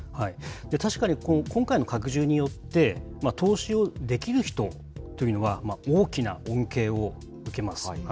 確かに今回の拡充によって、投資をできる人というのは、大きな恩恵を受けます。